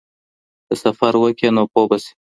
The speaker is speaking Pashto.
که سفر وکړې نو پوه به شې.